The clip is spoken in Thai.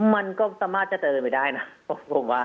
มันก็สามารถจะเดินไปได้นะ